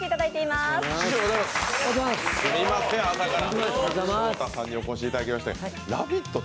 すみません、朝から昇太さんにお越しいただきまして。